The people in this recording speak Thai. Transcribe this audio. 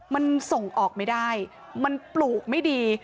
มันส่งออกไม่ได้มันปลูกไม่ดี